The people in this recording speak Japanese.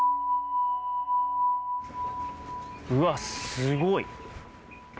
うわっすごい。